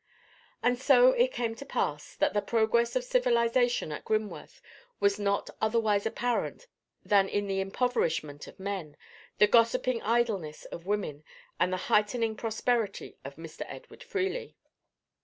And so it came to pass, that the progress of civilization at Grimworth was not otherwise apparent than in the impoverishment of men, the gossiping idleness of women, and the heightening prosperity of Mr. Edward Freely.